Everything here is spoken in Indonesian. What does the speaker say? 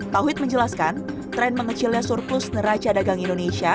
tauhid menjelaskan tren mengecilnya surplus neraca dagang indonesia